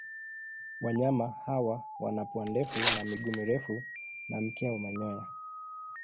Wanyama hawa wana pua ndefu na miguu mirefu na mkia wa manyoya.